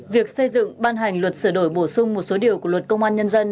việc xây dựng ban hành luật sửa đổi bổ sung một số điều của luật công an nhân dân